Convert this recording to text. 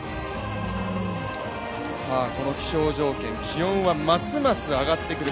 この気象条件気温はますます上がってくる。